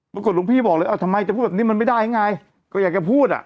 หลวงพี่บอกเลยเอาทำไมจะพูดแบบนี้มันไม่ได้ไงก็อยากจะพูดอ่ะ